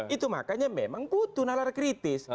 itu makanya memang butuh nalar kritis